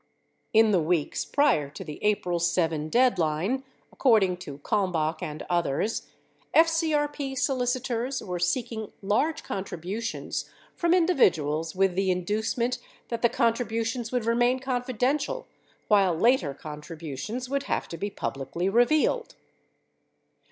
In the weeks prior to the April 7 deadline, according to Kalmbach and others, FCRP solicitors were seeking large contributions from individuals with the induce ment that the contributions would remain confidential while later contributions would have to be publicly revealed.